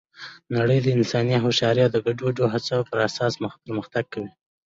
نړۍ د انساني هوښیارۍ او د ګډو هڅو پر اساس پرمختګ کوي.